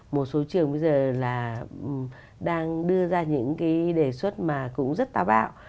một số trường bây giờ là đang đưa ra những cái đề xuất mà cũng rất táo bạo